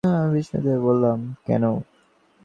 আমি বিস্মিত হয়ে বললাম, কেন?